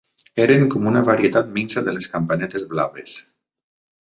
Eren com una varietat minsa de les campanetes blaves